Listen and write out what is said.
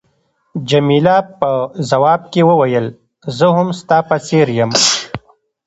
جميله په ځواب کې وویل، زه هم ستا په څېر یم.